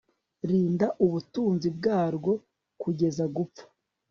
Rinda ubutunzi bwarwo kugeza gupfa